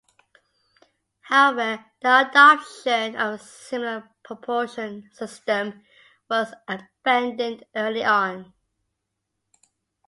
However the adoption of a similar propulsion system was abandoned early on.